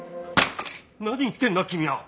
何言ってんだ君は！